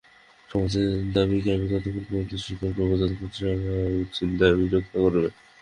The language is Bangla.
সমাজের দাবিকে আমি ততক্ষণ পর্যন্ত স্বীকার করব যতক্ষণ সে আমার উচিত দাবিকে রক্ষা করবে।